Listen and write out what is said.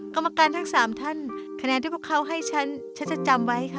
กรรมการทั้ง๓ท่านคะแนนที่พวกเขาให้ฉันฉันจะจำไว้ค่ะ